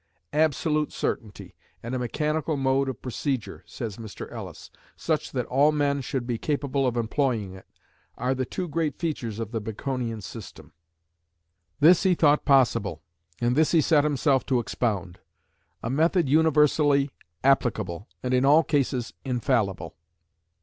"Absolute certainty, and a mechanical mode of procedure" says Mr. Ellis, "such that all men should be capable of employing it, are the two great features of the Baconian system." This he thought possible, and this he set himself to expound "a method universally applicable, and in all cases infallible."